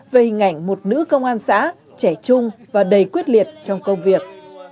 về hình ảnh một nữ công an xã trẻ trung và đầy quyết liệt trong công việc